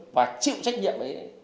và chịu trách nhiệm